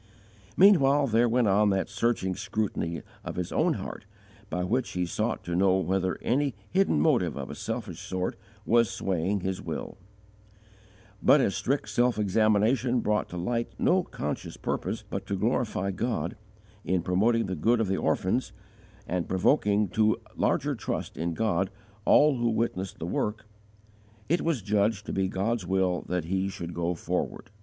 Meanwhile there went on that searching scrutiny of his own heart by which he sought to know whether any hidden motive of a selfish sort was swaying his will; but as strict self examination brought to light no conscious purpose but to glorify God, in promoting the good of the orphans, and provoking to larger trust in God all who witnessed the work, it was judged to be God's will that he should go forward.